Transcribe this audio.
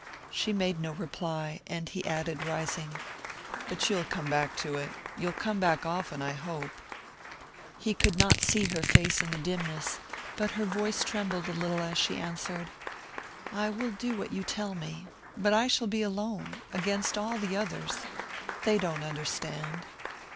She made no reply, and he added, rising: "But you'll come back to it you'll come back often, I hope." He could not see her face in the dimness, but her voice trembled a little as she answered: "I will do what you tell me but I shall be alone against all the others: they don't understand."